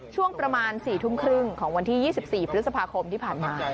ช่วงประมาณ๔ทุ่มครึ่งของวันที่๒๔พฤษภาคมที่ผ่านมา